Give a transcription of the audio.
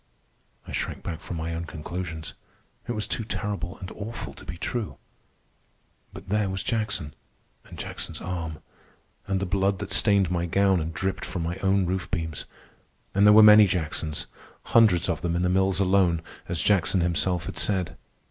I shrank back from my own conclusions. It was too terrible and awful to be true. But there was Jackson, and Jackson's arm, and the blood that stained my gown and dripped from my own roof beams. And there were many Jacksons—hundreds of them in the mills alone, as Jackson himself had said.